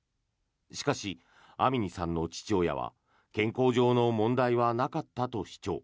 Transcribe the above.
しかし、アミニさんの父親は健康上の問題はなかったと主張。